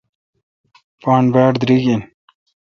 پان باڑ دیریگ این۔